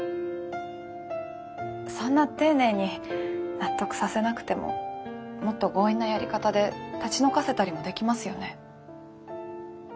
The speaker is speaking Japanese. そんな丁寧に納得させなくてももっと強引なやり方で立ち退かせたりもできますよね？